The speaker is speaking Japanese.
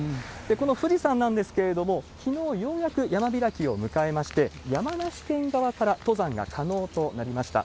この富士山なんですけれども、きのう、ようやく山開きを迎えまして、山梨県側から登山が可能となりました。